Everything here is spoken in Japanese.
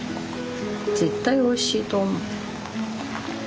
絶対おいしいと思う。